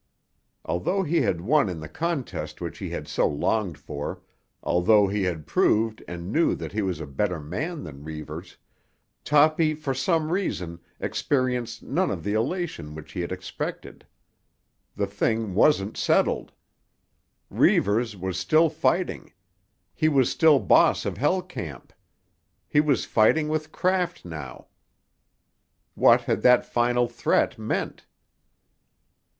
Although he had won in the contest which he had so longed for, although he had proved and knew that he was a better man than Reivers, Toppy for some reason experienced none of the elation which he had expected. The thing wasn't settled. Reivers was still fighting. He was still boss of Hell Camp. He was fighting with craft now. What had that final threat meant?